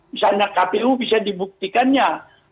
misalnya kpu bisa dibuktikannya